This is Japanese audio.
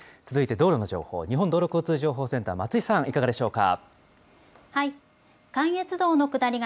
続いて道路の情報、日本道路交通情報センター、松井さん、いかがでしょうか。